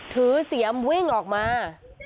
ถือเสมอวิ่งออกมา